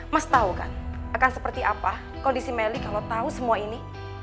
mas tahu kan akan seperti apa kondisi melly kalau tahu semua ini